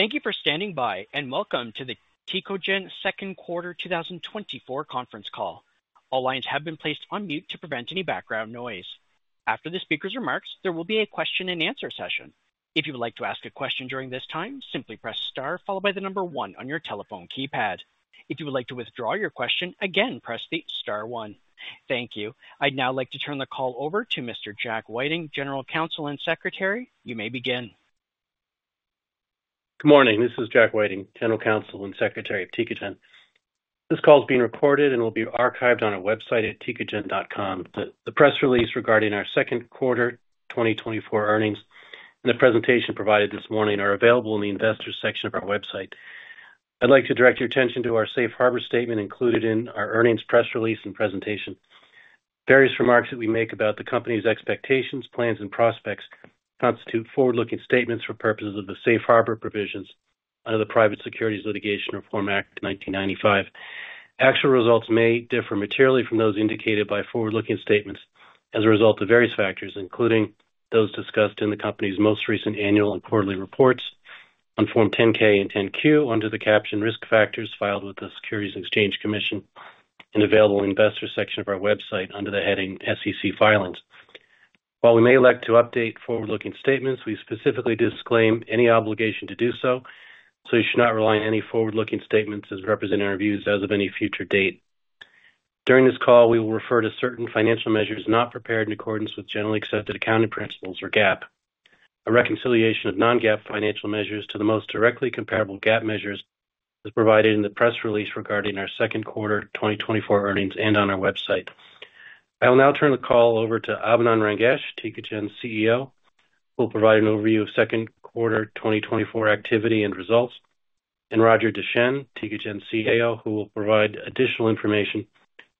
Thank you for standing by, and welcome to the Tecogen second quarter 2024 conference call. All lines have been placed on mute to prevent any background noise. After the speaker's remarks, there will be a question and answer session. If you would like to ask a question during this time, simply press star followed by the number 1 on your telephone keypad. If you would like to withdraw your question again, press the star 1. Thank you. I'd now like to turn the call over to Mr. Jack Whiting, General Counsel and Secretary. You may begin. Good morning. This is Jack Whiting, General Counsel and Secretary of Tecogen. This call is being recorded and will be archived on our website at tecogen.com. The press release regarding our second quarter 2024 earnings and the presentation provided this morning are available in the Investors section of our website. I'd like to direct your attention to our Safe Harbor statement included in our earnings press release and presentation. Various remarks that we make about the company's expectations, plans and prospects constitute forward-looking statements for purposes of the Safe Harbor Provisions under the Private Securities Litigation Reform Act of 1995. Actual results may differ materially from those indicated by forward-looking statements as a result of various factors, including those discussed in the company's most recent annual and quarterly reports on Form 10-K and 10-Q under the caption Risk Factors filed with the Securities and Exchange Commission and available investor section of our website under the heading SEC Filings. While we may elect to update forward-looking statements, we specifically disclaim any obligation to do so, so you should not rely on any forward-looking statements as representing our views as of any future date. During this call, we will refer to certain financial measures not prepared in accordance with generally accepted accounting principles, or GAAP. A reconciliation of non-GAAP financial measures to the most directly comparable GAAP measures is provided in the press release regarding our second quarter 2024 earnings and on our website. I will now turn the call over to Abinand Rangesh, Tecogen's CEO, who will provide an overview of second quarter 2024 activity and results, and Roger Deschenes, Tecogen's CAO, who will provide additional information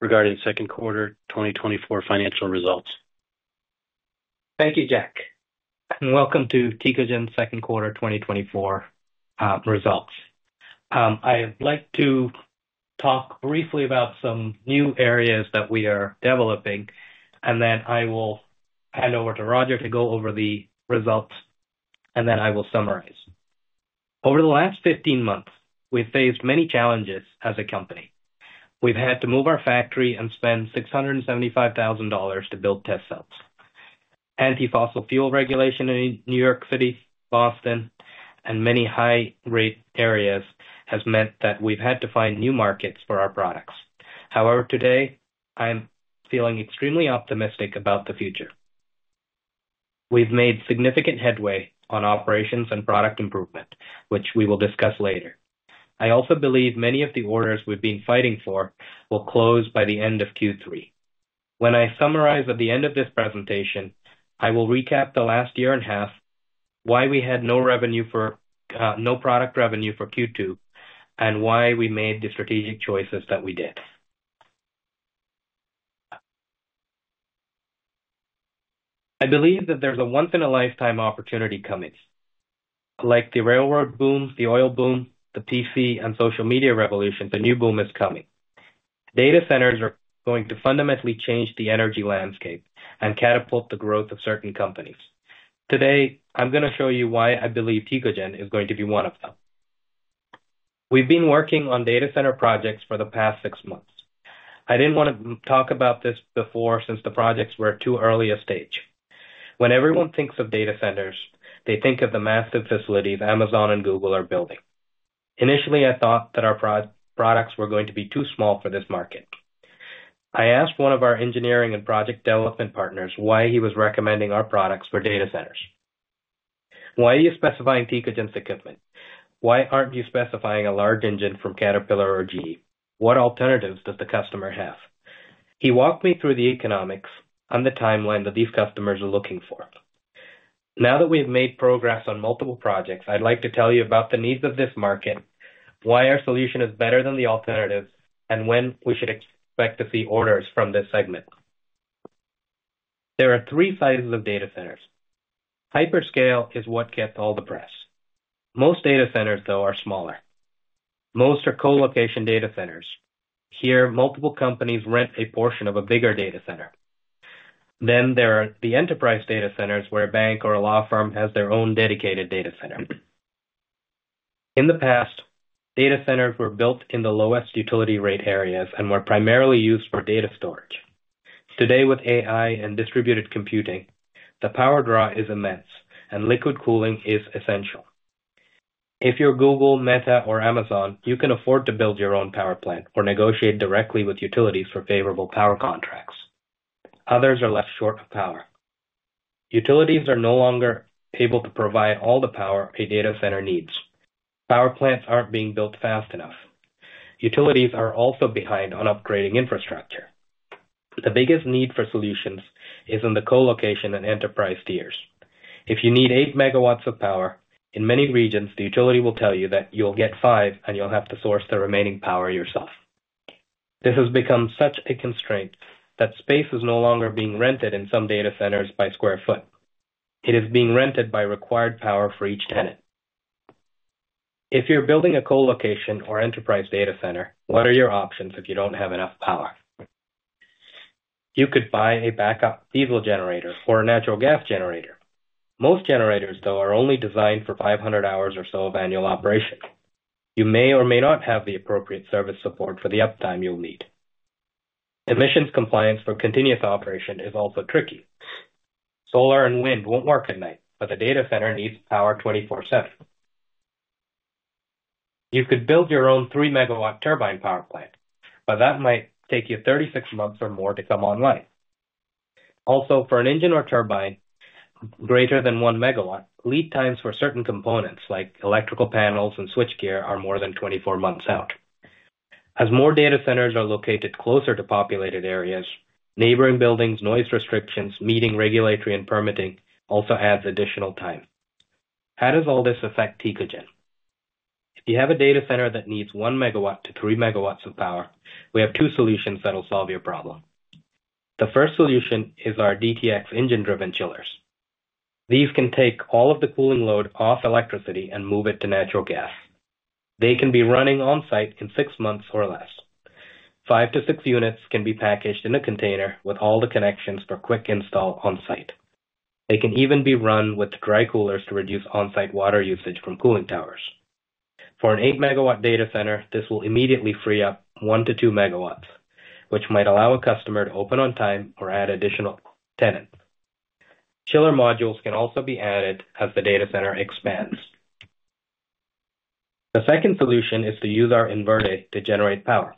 regarding second quarter 2024 financial results. Thank you, Jack, and welcome to Tecogen second quarter 2024 results. I'd like to talk briefly about some new areas that we are developing, and then I will hand over to Roger to go over the results, and then I will summarize. Over the last 15 months, we've faced many challenges as a company. We've had to move our factory and spend $675,000 to build test cells. Anti-fossil fuel regulation in New York City, Boston, and many high rate areas has meant that we've had to find new markets for our products. However, today, I'm feeling extremely optimistic about the future. We've made significant headway on operations and product improvement, which we will discuss later. I also believe many of the orders we've been fighting for will close by the end of Q3. When I summarize at the end of this presentation, I will recap the last year and a half, why we had no revenue for, no product revenue for Q2, and why we made the strategic choices that we did. I believe that there's a once in a lifetime opportunity coming. Like the railroad boom, the oil boom, the PC and social media revolution, the new boom is coming. Data centers are going to fundamentally change the energy landscape and catapult the growth of certain companies. Today, I'm gonna show you why I believe Tecogen is going to be one of them. We've been working on data center projects for the past six months. I didn't want to talk about this before since the projects were too early a stage. When everyone thinks of data centers, they think of the massive facilities Amazon and Google are building. Initially, I thought that our products were going to be too small for this market. I asked one of our engineering and project development partners why he was recommending our products for data centers. "Why are you specifying Tecogen's equipment? Why aren't you specifying a large engine from Caterpillar or GE? What alternatives does the customer have?" He walked me through the economics and the timeline that these customers are looking for. Now that we've made progress on multiple projects, I'd like to tell you about the needs of this market, why our solution is better than the alternatives, and when we should expect to see orders from this segment. There are three sizes of data centers. Hyperscale is what gets all the press. Most data centers, though, are smaller. Most are colocation data centers. Here, multiple companies rent a portion of a bigger data center. Then there are the enterprise data centers, where a bank or a law firm has their own dedicated data center. In the past, data centers were built in the lowest utility rate areas and were primarily used for data storage. Today, with AI and distributed computing, the power draw is immense and liquid cooling is essential. If you're Google, Meta, or Amazon, you can afford to build your own power plant or negotiate directly with utilities for favorable power contracts. Others are left short of power. Utilities are no longer able to provide all the power a data center needs. Power plants aren't being built fast enough. Utilities are also behind on upgrading infrastructure. The biggest need for solutions is in the colocation and enterprise tiers. If you need 8 MW of power, in many regions, the utility will tell you that you'll get 5 and you'll have to source the remaining power yourself. This has become such a constraint that space is no longer being rented in some data centers by sq ft. It is being rented by required power for each tenant. If you're building a colocation or enterprise data center, what are your options if you don't have enough power? You could buy a backup diesel generator or a natural gas generator. Most generators, though, are only designed for 500 hours or so of annual operation. You may or may not have the appropriate service support for the uptime you'll need. Emissions compliance for continuous operation is also tricky. Solar and wind won't work at night, but the data center needs power 24/7. You could build your own 3-MW turbine power plant, but that might take you 36 months or more to come online. Also, for an engine or turbine greater than 1 MW, lead times for certain components, like electrical panels and switchgear, are more than 24 months out. As more data centers are located closer to populated areas, neighboring buildings, noise restrictions, meeting regulatory and permitting also adds additional time. How does all this affect Tecogen? If you have a data center that needs 1 MW to 3 MW of power, we have two solutions that will solve your problem. The first solution is our DTx engine-driven chillers. These can take all of the cooling load off electricity and move it to natural gas. They can be running on-site in 6 months or less. 5-6 units can be packaged in a container with all the connections for quick install on-site. They can even be run with dry coolers to reduce on-site water usage from cooling towers. For an 8-MW data center, this will immediately free up 1-2 MW, which might allow a customer to open on time or add additional tenants. Chiller modules can also be added as the data center expands. The second solution is to use our InVerde e+ to generate power.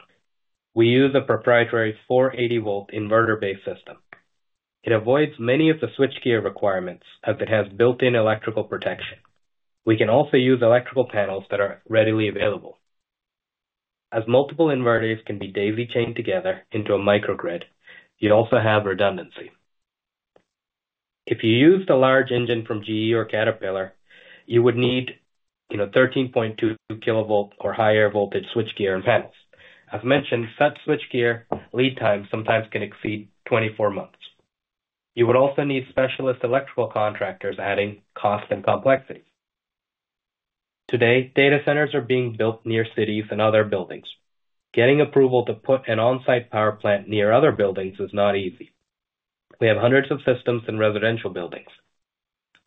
We use a proprietary 480-volt inverter-based system. It avoids many of the switchgear requirements, as it has built-in electrical protection. We can also use electrical panels that are readily available. As multiple inverters can be daily chained together into a microgrid, you also have redundancy. If you used a large engine from GE or Caterpillar, you would need 13.2 kilovolt or higher voltage switchgear and panels. As mentioned, such switchgear lead time sometimes can exceed 24 months. You would also need specialist electrical contractors, adding cost and complexity. Today, data centers are being built near cities and other buildings. Getting approval to put an on-site power plant near other buildings is not easy. We have hundreds of systems in residential buildings.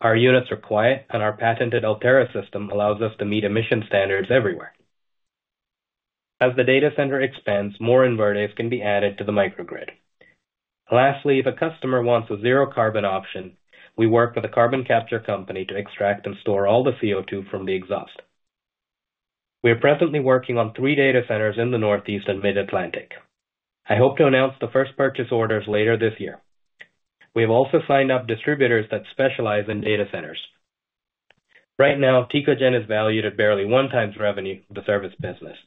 Our units are quiet, and our patented Ultera system allows us to meet emission standards everywhere. As the data center expands, more inverters can be added to the microgrid. Lastly, if a customer wants a zero carbon option, we work with a carbon capture company to extract and store all the CO2 from the exhaust. We are presently working on 3 data centers in the Northeast and Mid-Atlantic. I hope to announce the first purchase orders later this year. We have also signed up distributors that specialize in data centers. Right now, Tecogen is valued at barely 1 times revenue for the service business.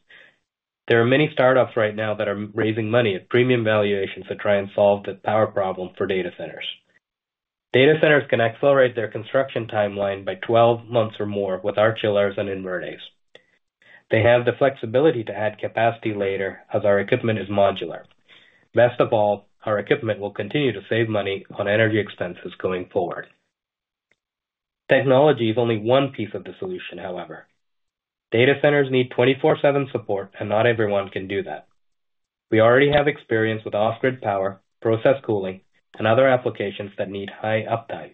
There are many startups right now that are raising money at premium valuations to try and solve the power problem for data centers. Data centers can accelerate their construction timeline by 12 months or more with our chillers and inverters. They have the flexibility to add capacity later as our equipment is modular. Best of all, our equipment will continue to save money on energy expenses going forward. Technology is only one piece of the solution, however. Data centers need 24/7 support, and not everyone can do that. We already have experience with off-grid power, process cooling, and other applications that need high uptime.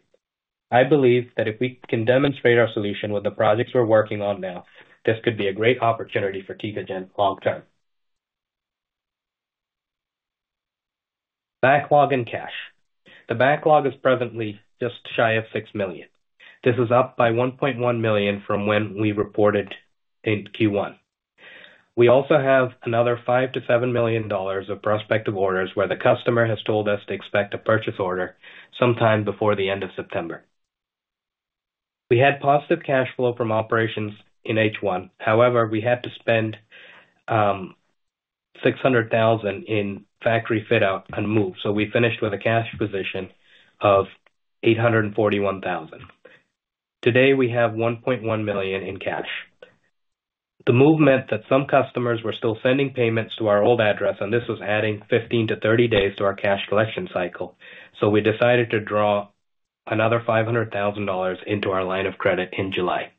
I believe that if we can demonstrate our solution with the projects we're working on now, this could be a great opportunity for Tecogen long term. Backlog and cash. The backlog is presently just shy of $6 million. This is up by $1.1 million from when we reported in Q1. We also have another $5 million-$7 million of prospective orders, where the customer has told us to expect a purchase order sometime before the end of September. We had positive cash flow from operations in H1. However, we had to spend $600,000 in factory fit out and move, so we finished with a cash position of $841,000. Today, we have $1.1 million in cash. The movement that some customers were still sending payments to our old address, and this was adding 15-30 days to our cash collection cycle. So we decided to draw another $500,000 into our line of credit in July.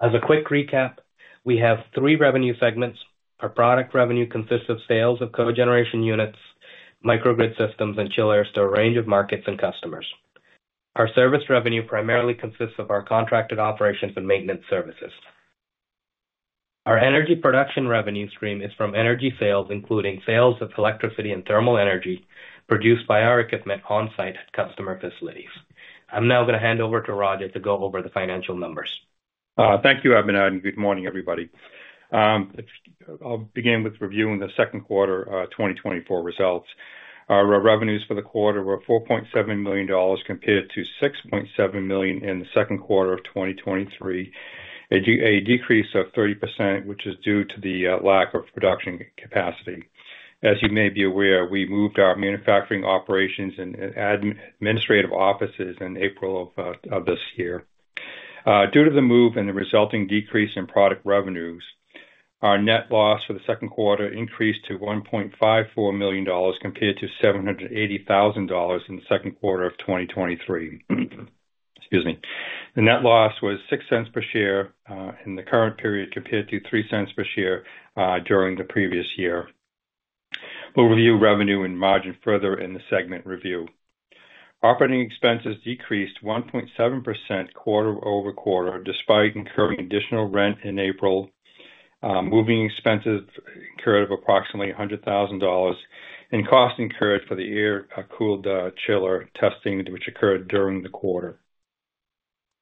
As a quick recap, we have three revenue segments. Our product revenue consists of sales of cogeneration units, microgrid systems, and chillers to a range of markets and customers. Our service revenue primarily consists of our contracted operations and maintenance services. Our energy production revenue stream is from energy sales, including sales of electricity and thermal energy produced by our equipment on-site customer facilities. I'm now going to hand over to Roger to go over the financial numbers. Thank you, Abinand, and good morning, everybody. I'll begin with reviewing the second quarter 2024 results. Our revenues for the quarter were $4.7 million, compared to $6.7 million in the second quarter of 2023, a decrease of 30%, which is due to the lack of production capacity. As you may be aware, we moved our manufacturing operations and administrative offices in April of this year. Due to the move and the resulting decrease in product revenues, our net loss for the second quarter increased to $1.54 million, compared to $780,000 in the second quarter of 2023. Excuse me. The net loss was 6 cents per share in the current period, compared to 3 cents per share during the previous year. We'll review revenue and margin further in the segment review. Operating expenses decreased 1.7% quarter-over-quarter, despite incurring additional rent in April, moving expenses incurred of approximately $100,000, and costs incurred for the air-cooled chiller testing, which occurred during the quarter.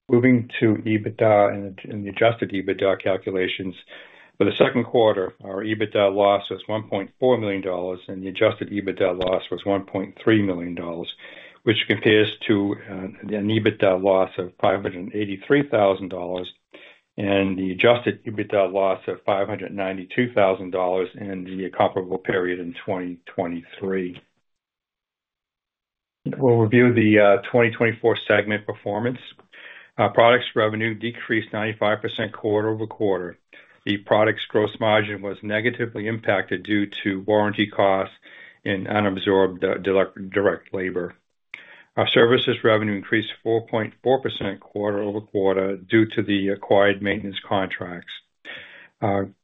Moving to EBITDA and the adjusted EBITDA calculations. For the second quarter, our EBITDA loss was $1.4 million, and the adjusted EBITDA loss was $1.3 million, which compares to an EBITDA loss of $583,000 and the adjusted EBITDA loss of $592,000 in the comparable period in 2023. We'll review the 2024 segment performance. Our products revenue decreased 95% quarter-over-quarter. The product's gross margin was negatively impacted due to warranty costs and unabsorbed direct labor. Our services revenue increased 4.4% quarter-over-quarter due to the acquired maintenance contracts.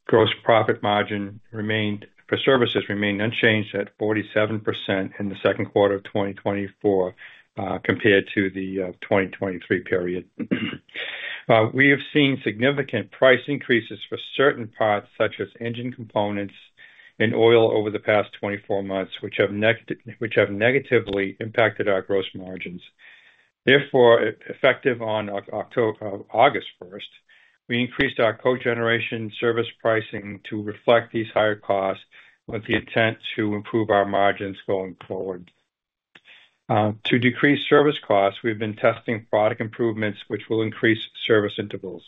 Gross profit margin remained, for services, remained unchanged at 47% in the second quarter of 2024 compared to the 2023 period. We have seen significant price increases for certain parts, such as engine components and oil over the past 24 months, which have negatively impacted our gross margins. Therefore, effective on August 1, we increased our cogeneration service pricing to reflect these higher costs with the intent to improve our margins going forward. To decrease service costs, we've been testing product improvements, which will increase service intervals.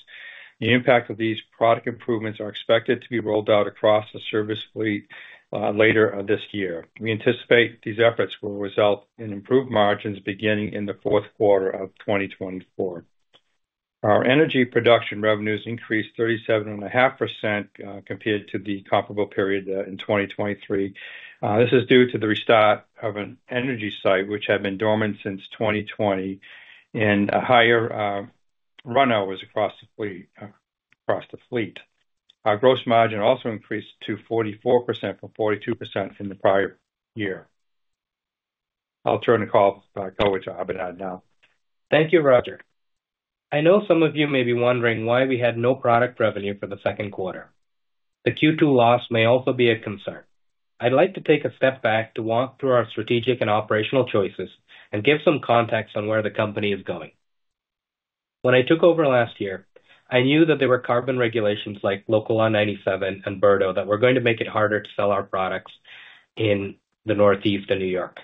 The impact of these product improvements are expected to be rolled out across the service fleet, later this year. We anticipate these efforts will result in improved margins beginning in the fourth quarter of 2024. Our energy production revenues increased 37.5%, compared to the comparable period, in 2023. This is due to the restart of an energy site, which had been dormant since 2020, and a higher, run hours across the fleet, across the fleet. Our gross margin also increased to 44% from 42% in the prior year. I'll turn the call back over to Abinand now. Thank you, Roger. I know some of you may be wondering why we had no product revenue for the second quarter. The Q2 loss may also be a concern. I'd like to take a step back to walk through our strategic and operational choices and give some context on where the company is going. When I took over last year, I knew that there were carbon regulations like Local Law 97 and BERDO, that were going to make it harder to sell our products in the Northeast and New York.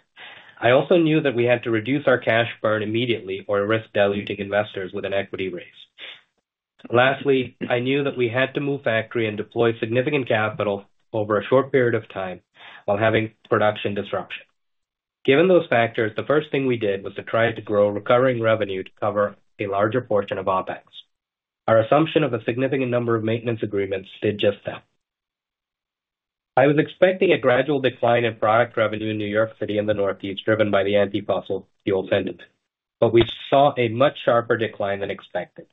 I also knew that we had to reduce our cash burn immediately or risk diluting investors with an equity raise. Lastly, I knew that we had to move factory and deploy significant capital over a short period of time while having production disruption. Given those factors, the first thing we did was to try to grow recurring revenue to cover a larger portion of OpEx. Our assumption of a significant number of maintenance agreements did just that. I was expecting a gradual decline in product revenue in New York City and the Northeast, driven by the anti-fossil fuel sentiment, but we saw a much sharper decline than expected.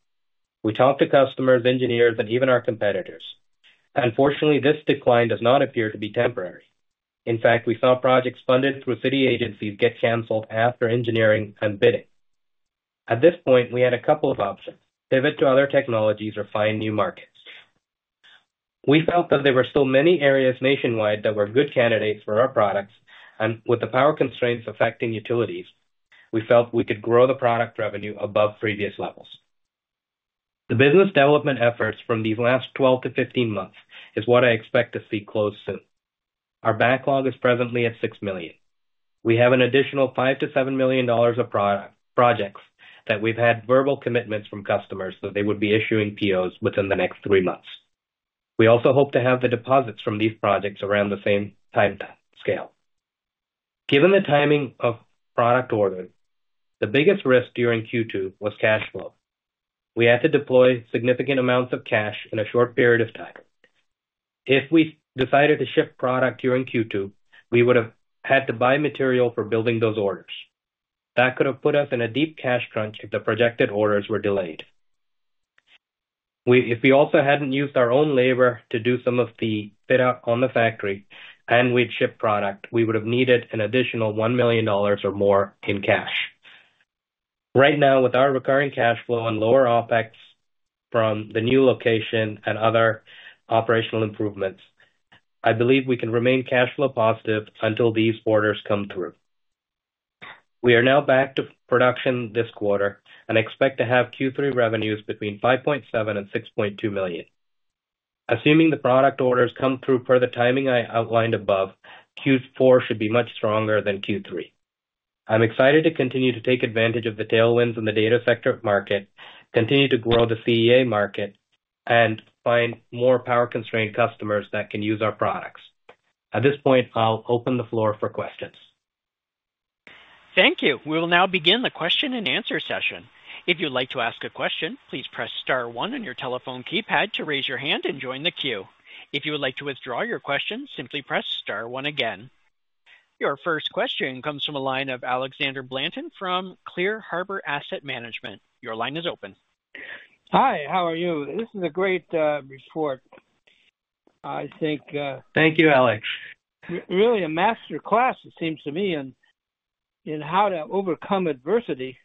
We talked to customers, engineers, and even our competitors. Unfortunately, this decline does not appear to be temporary. In fact, we saw projects funded through city agencies get canceled after engineering and bidding. At this point, we had a couple of options: pivot to other technologies or find new markets. We felt that there were still many areas nationwide that were good candidates for our products, and with the power constraints affecting utilities, we felt we could grow the product revenue above previous levels. The business development efforts from these last 12-15 months is what I expect to see close soon. Our backlog is presently at $6 million. We have an additional $5-$7 million of projects that we've had verbal commitments from customers that they would be issuing POs within the next 3 months. We also hope to have the deposits from these projects around the same time scale. Given the timing of product ordering, the biggest risk during Q2 was cash flow. We had to deploy significant amounts of cash in a short period of time. If we decided to ship product during Q2, we would have had to buy material for building those orders. That could have put us in a deep cash crunch if the projected orders were delayed. We, if we also hadn't used our own labor to do some of the fit out on the factory and we'd shipped product, we would have needed an additional $1 million or more in cash. Right now, with our recurring cash flow and lower OpEx from the new location and other operational improvements, I believe we can remain cash flow positive until these orders come through. We are now back to production this quarter and expect to have Q3 revenues between $5.7 million and $6.2 million. Assuming the product orders come through per the timing I outlined above, Q4 should be much stronger than Q3. I'm excited to continue to take advantage of the tailwinds in the data sector of market, continue to grow the CEA market, and find more power-constrained customers that can use our products. At this point, I'll open the floor for questions. Thank you. We will now begin the question-and-answer session. If you'd like to ask a question, please press star one on your telephone keypad to raise your hand and join the queue. If you would like to withdraw your question, simply press star one again. Your first question comes from the line of Alexander Blanton from Clear Harbor Asset Management. Your line is open. Hi, how are you? This is a great report. Thank you, Alex. Really a master class, it seems to me, in how to overcome adversity.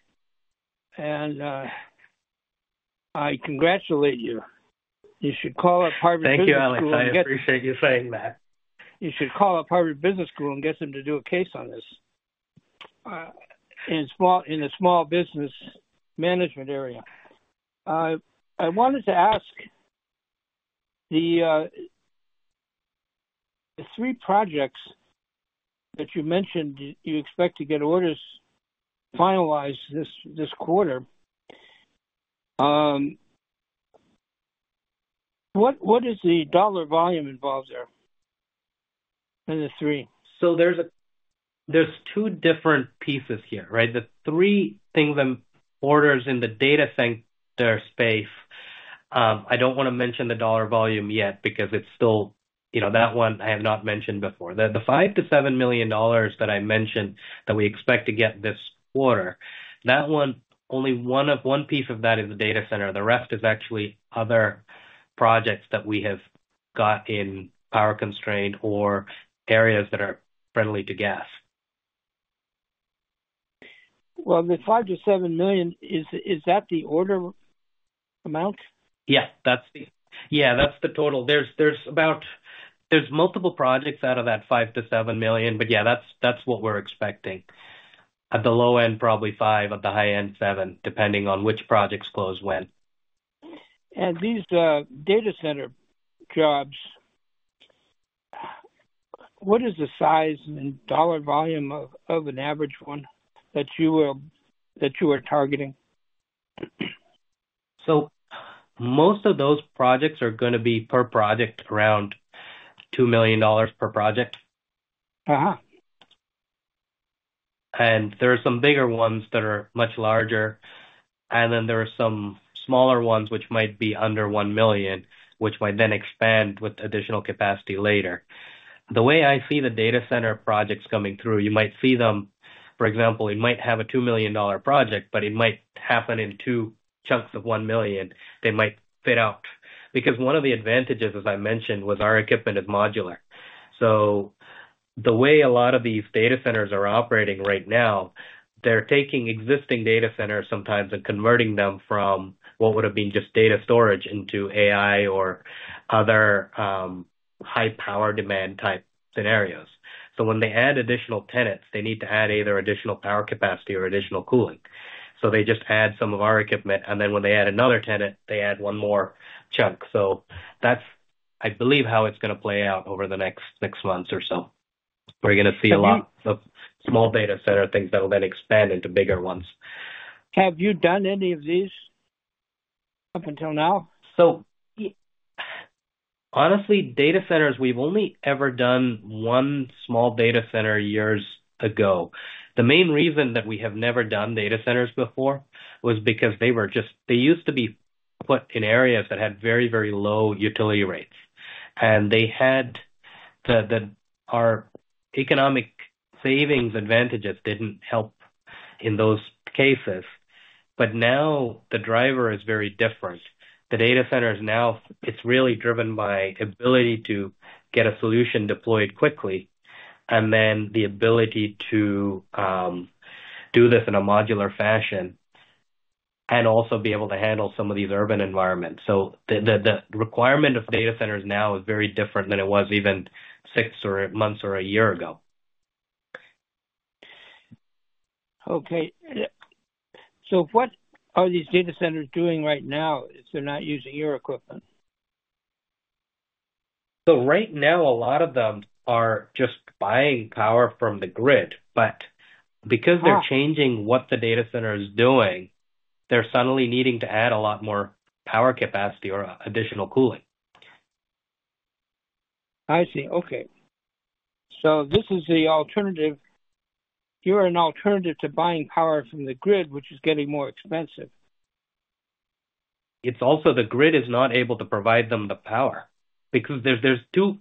I congratulate you. Thank you, Alex. I appreciate you saying that. You should call up Harvard Business School and get them to do a case on this in the small business management area. I wanted to ask the three projects that you mentioned you expect to get orders finalized this quarter. What is the dollar volume involved there in the three? There are two different pieces here, right? The three things: orders in the data center space. I don't want to mention the dollar volume yet because it's still, you know, that one I have not mentioned before. The $5 million-$7 million that I mentioned that we expect to get this quarter, that one, only one piece of that is the data center. The rest is actually other projects that we have got in power-constrained areas that are friendly to gas. Well, the $5 million-$7 million, is, is that the order amount? Yeah, that's the total. There's multiple projects out of that $5 million-$7 million, but yeah, that's what we're expecting. At the low end, probably five, at the high end, seven, depending on which projects close when. These data center jobs, what is the size and dollar volume of an average one that you are targeting? Most of those projects are going to be per project, around $2 million per project. There are some bigger ones that are much larger, and then there are some smaller ones which might be under $1 million, which might then expand with additional capacity later. The way I see the data center projects coming through, you might see them, for example, you might have a $2 million project, but it might happen in two chunks of $1 million. They might fit out, because one of the advantages, as I mentioned, was our equipment is modular. So the way a lot of these data centers are operating right now, they're taking existing data centers sometimes and converting them from what would have been just data storage into AI or other, high power demand type scenarios. When they add additional tenants, they need to add either additional power capacity or additional cooling. They just add some of our equipment, and then when they add another tenant, they add one more chunk. That's, I believe, how it's gonna play out over the next six months or so. We're gonna see a lot of small data center things that will then expand into bigger ones. Have you done any of these up until now? Honestly, data centers, we've only ever done one small data center years ago. The main reason that we have never done data centers before was because they were just they used to be put in areas that had very, very low utility rates, and our economic savings advantages didn't help in those cases. But now the driver is very different. The data centers now, it's really driven by ability to get a solution deployed quickly, and then the ability to do this in a modular fashion and also be able to handle some of these urban environments. The requirement of data centers now is very different than it was even six months or a year ago. Okay. What are these data centers doing right now if they're not using your equipment? Right now, a lot of them are just buying power from the grid, but because they're changing what the data center is doing, they're suddenly needing to add a lot more power capacity or additional cooling. I see. Okay. This is the alternative. You're an alternative to buying power from the grid, which is getting more expensive. It's also the grid is not able to provide them the power because there's two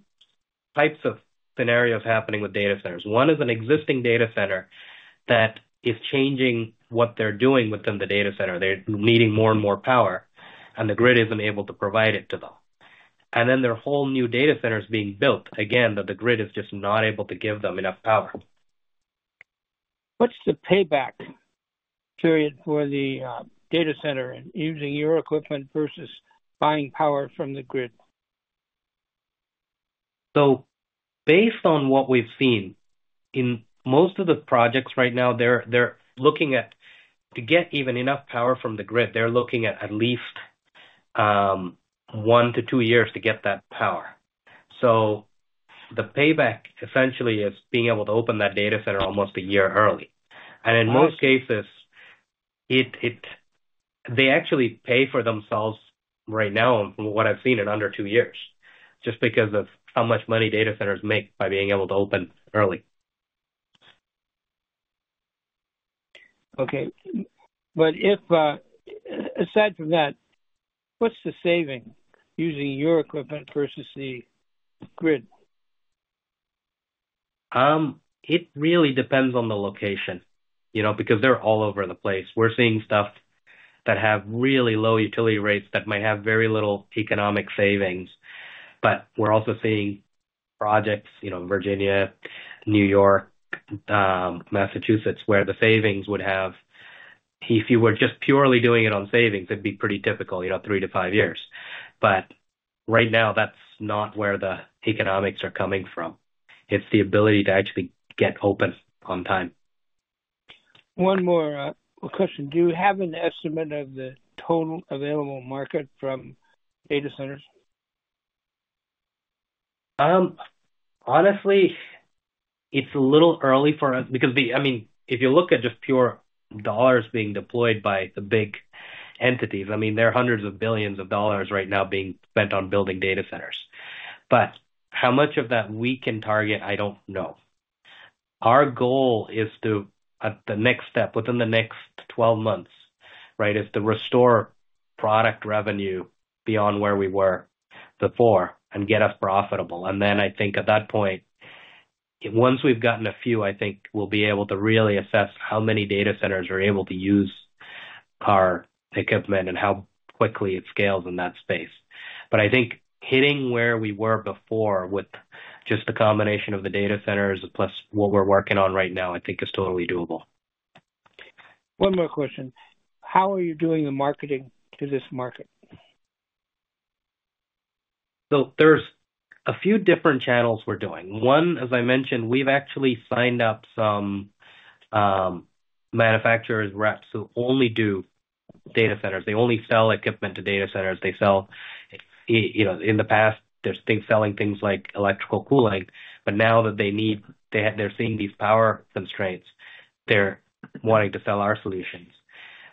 types of scenarios happening with data centers. One is an existing data center that is changing what they're doing within the data center. They're needing more and more power, and the grid isn't able to provide it to them. And then there are whole new data centers being built, again, that the grid is just not able to give them enough power. What's the payback period for the data center and using your equipment versus buying power from the grid? So based on what we've seen in most of the projects right now, they're, they're looking at, to get even enough power from the grid, they're looking at at least 1-2 years to get that power. The payback essentially is being able to open that data center almost a year early. In most cases, they actually pay for themselves right now, from what I've seen, in under two years, just because of how much money data centers make by being able to open early. Aside from that, what's the saving using your equipment versus the grid? It really depends on the location, you know, because they're all over the place. We're seeing stuff that have really low utility rates that might have very little economic savings, but we're also seeing projects, Virginia, New York, Massachusetts, where the savings would have. If you were just purely doing it on savings, it'd be pretty typical, you know, 3-5 years. Right now, that's not where the economics are coming from. It's the ability to actually get open on time. One more question. Do you have an estimate of the total available market from data centers? Honestly, it's a little early for us because I mean, if you look at just pure dollars being deployed by the big entities, I mean, there are hundreds of billions of dollars right now being spent on building data centers. How much of that we can target, I don't know. Our goal is to, at the next step, within the next 12 months, right, is to restore product revenue beyond where we were before and get us profitable. Then I think at that point, once we've gotten a few, I think we'll be able to really assess how many data centers are able to use our equipment and how quickly it scales in that space. I think hitting where we were before with just the combination of the data centers, plus what we're working on right now, I think is totally doable. One more question. How are you doing the marketing to this market? There's a few different channels we're doing. One, as I mentioned, we've actually signed up some manufacturers reps who only do data centers. They only sell equipment to data centers. They sell, in the past, they're selling things like electrical cooling, but now that they need, they, they're seeing these power constraints, they're wanting to sell our solutions.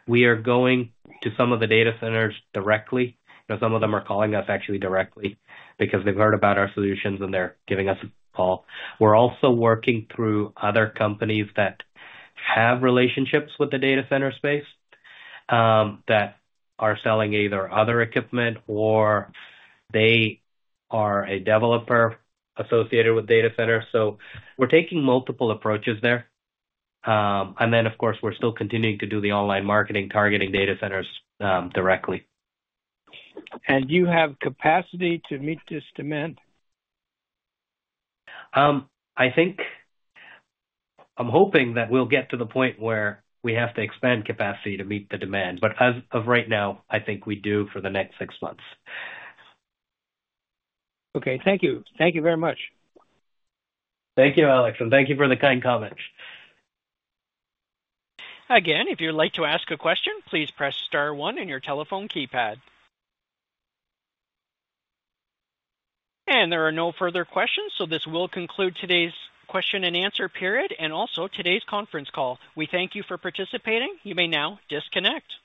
We are going to some of the data centers directly, and some of them are calling us actually directly because they've heard about our solutions and they're giving us a call. We're also working through other companies that have relationships with the data center space, that are selling either other equipment or they are a developer associated with data centers. We're taking multiple approaches there. Then, we're still continuing to do the online marketing, targeting data centers, directly. Do you have capacity to meet this demand? I think, I'm hoping that we'll get to the point where we have to expand capacity to meet the demand, but as of right now, I think we do for the next six months. Okay. Thank you. Thank you very much. Thank you, Alex, and thank you for the kind comments. Again, if you'd like to ask a question, please press star one on your telephone keypad. There are no further questions, so this will conclude today's question and answer period and also today's conference call. We thank you for participating. You may now disconnect.